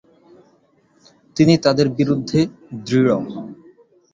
তিনি তাদের বিরুদ্ধে দৃঢ়।